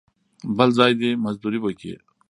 بل ځای دې مزدوري وکي.